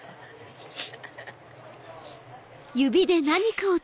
フフフフ。